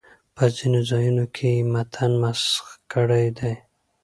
په ځینو ځایونو کې یې متن مسخ کړی دی.